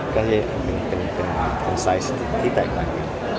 อยากจะมาร่วมต้องอยู่ไหนบ้าง